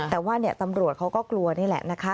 แต่ว่าตำรวจเขาก็กลัวนี่แหละนะคะ